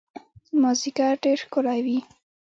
مازیګر ډېر ښکلی وي